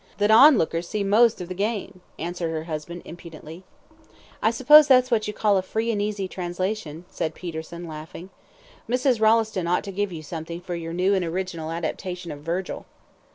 "That onlookers see most of the game," answered her husband, impudently. "I suppose that's what you call a free and easy translation," said Peterson, laughing. "Mrs. Rolleston ought to give you something for your new and original adaptation of Virgil."